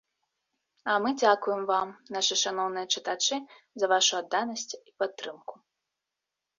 А мы дзякуем вам, нашы шаноўныя чытачы, за вашу адданасць і падтрымку.